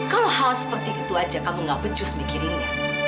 kalau hal seperti itu aja kamu gak pecus mikirinnya